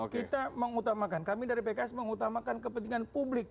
kita mengutamakan kami dari pks mengutamakan kepentingan publik